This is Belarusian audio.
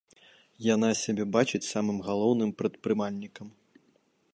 Яна сябе бачыць самым галоўным прадпрымальнікам.